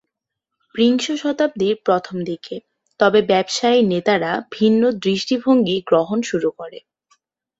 বিংশ শতাব্দীর প্রথম দিকে, তবে ব্যবসায়ী নেতারা ভিন্ন দৃষ্টিভঙ্গি গ্রহণ শুরু করে।